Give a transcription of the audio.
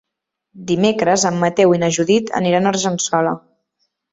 Dimecres en Mateu i na Judit aniran a Argençola.